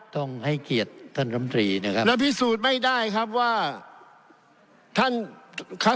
ต้องให้เกลียดท่านลำดรีนะครับแล้วพิสูจน์ไม่ได้ครับว่า